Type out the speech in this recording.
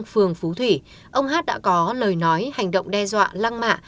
trong phường phú thủy ông h đã có lời nói hành động đe dọa lăng mạ